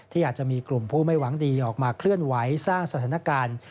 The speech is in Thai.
อาจจะมีกลุ่มผู้ไม่หวังดีออกมาเคลื่อนไหวสร้างสถานการณ์